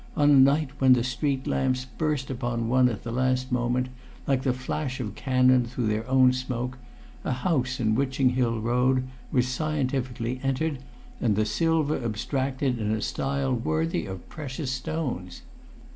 On a night when the street lamps burst upon one at the last moment, like the flash of cannon through their own smoke, a house in Witching Hill Road was scientifically entered, and the silver abstracted in a style worthy of precious stones.